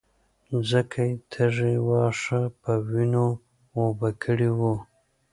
ځکه يې تږي واښه په وينو اوبه کړي وو.